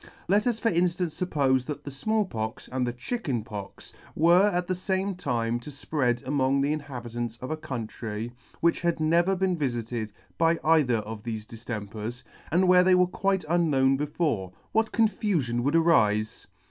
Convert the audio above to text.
Let us for inftance fuppofe, that the Small Pox and the Chicken Pox were at the fame time to fpread among the inhabitants of a country which had never been vifited by either of thefe diftempers, and where they were quite unknown before ; what confufion would arife